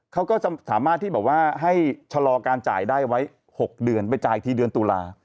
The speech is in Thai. เขาก็สามารถที่บอกว่าให้ชะลอการจ่ายได้ไว้๖เดือนไปจ่ายทีเดือนตุลา